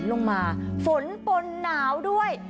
ลงมาฝนปนหนาวด้วย